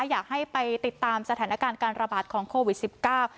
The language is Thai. อยากให้ไปติดตามสถานการณ์การระบาดของโควิดสิบเก้า